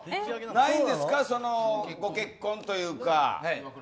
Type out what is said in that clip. ないんですか、ご結婚というか。